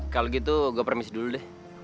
kalau gitu gua permisi dulu deh